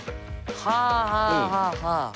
はあはあはあはあ。